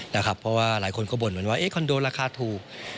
เพราะว่าหลายคนก็บ่นเหมือนว่าคอนโดราคาถูก